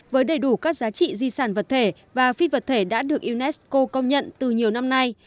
với đầy đủ các giá trị di sản vật thể và phi vật thể đã được unesco công nhận từ nhiều năm nay